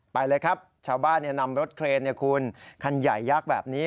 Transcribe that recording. ไปเลยครับชาวบ้านนำรถเครนคุณคันใหญ่ยักษ์แบบนี้